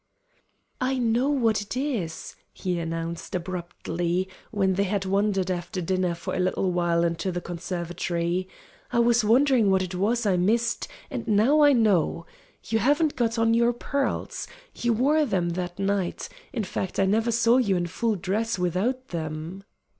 "I know what it is," he announced, abruptly, when they had wandered after dinner for a little while into the conservatory. "I was wondering what it was I missed, and now I know. You haven't got on your pearls. You wore them that night in fact, I never saw you in full dress without them."